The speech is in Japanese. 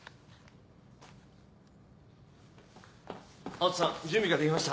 ・青砥さん準備ができました。